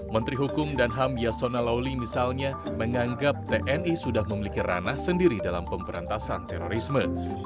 menteri hukum dan ham yasona lawli misalnya menganggap tni sudah memiliki ranah sendiri dalam pemberantasan terorisme